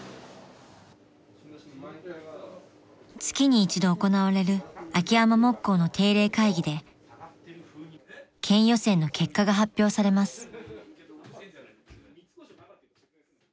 ［月に一度行われる秋山木工の定例会議で県予選の結果が発表されます］